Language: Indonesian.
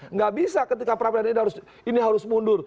nggak bisa ketika prapradilan ini harus mundur